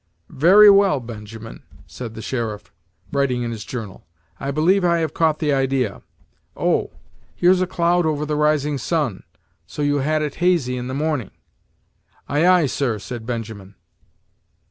"Very well, Benjamin," said the sheriff, writing in his journal; "I believe I have caught the idea. Oh! here's a cloud over the rising sun so you had it hazy in the morning?" "Ay, ay, sir," said Benjamin.